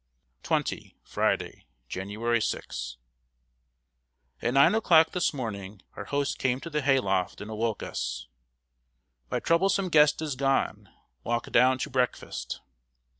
XX. Friday, January 6. At nine o'clock this morning our host came to the hay loft and awoke us: "My troublesome guest is gone; walk down to breakfast."